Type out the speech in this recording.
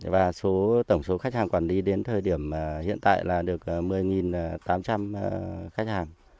và tổng số khách hàng quản lý đến thời điểm hiện tại là được một mươi tám trăm linh khách hàng